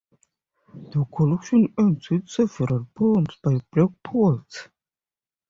The collection ends with several poems by black poets.